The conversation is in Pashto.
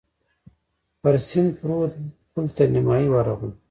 پر سیند پروت پل تر نیمايي ورغلو.